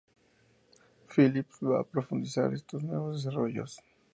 Phillips va a profundizar estos nuevos desarrollos.